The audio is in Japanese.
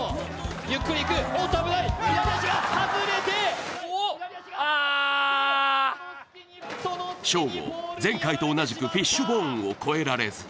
ゆっくり行く、おっと危ない左足が外れてショーゴ、前回と同じくフィッシュボーンを越えられず。